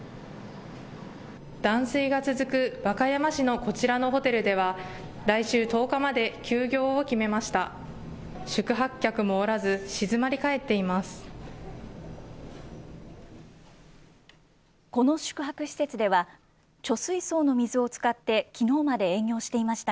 断水が続く和歌山市のこちらのホテルでは、来週１０日まで休業を決めました。